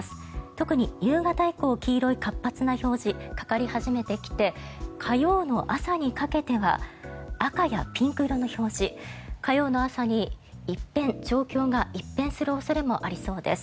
特に夕方以降、黄色い活発な表示かかり始めてきて火曜の朝にかけては赤やピンク色の表示火曜の朝に状況が一変する恐れもありそうです。